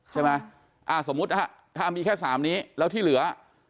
ใช่ไหมสมมติถ้ามีแค่๓นี้แล้วที่เหลือ